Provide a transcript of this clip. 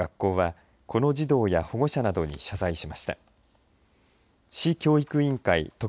学校はこの児童や保護者などに謝罪しました。